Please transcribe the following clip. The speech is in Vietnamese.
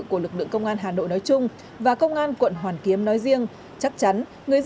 của lực lượng công an hà nội nói chung và công an quận hoàn kiếm nói riêng